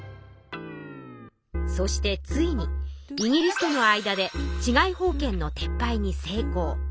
そしてついにイギリスとの間で治外法権の撤廃に成功。